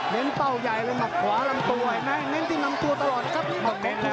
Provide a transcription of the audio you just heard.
เน้นเป้าใหญ่เลยมาขวาลำตัว